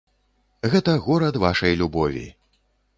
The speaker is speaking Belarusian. Гэта горад вашай любові.